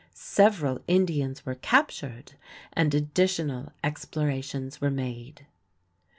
Several Indians were captured, and additional explorations were made.